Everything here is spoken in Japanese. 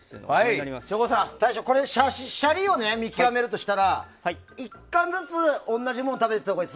大将シャリを見極めるとしたら１貫ずつ同じものを食べたほうがいい？